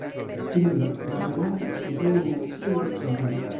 Trie: malegala distribuo de naciaj riĉaĵoj.